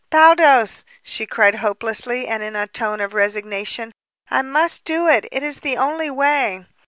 "Baldos!" she cried hopelessly and in a tone of resignation. "I must do it! It is the only way!"